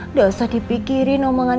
udah usah dipikirin omongan